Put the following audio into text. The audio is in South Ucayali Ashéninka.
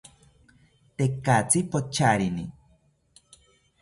Tekatzi pocharini